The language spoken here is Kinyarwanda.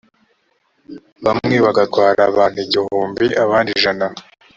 bamwe bagatwara abantu igihumbi, abandi ijana